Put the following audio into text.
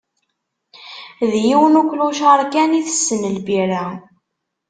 D yiwen uklucaṛ kan itessen lbira.